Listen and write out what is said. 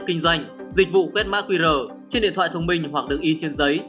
kinh doanh dịch vụ phép mạc qr trên điện thoại thông minh hoặc đường in trên giấy